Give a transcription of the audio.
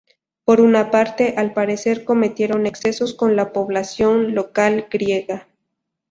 Por una parte, al parecer cometieron excesos con la población local griega.